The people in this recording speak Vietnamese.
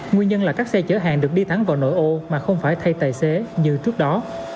nguyên nhân là các xe chở hàng được đi thẳng vào nội ô mà không phải thay tài xế như trước đó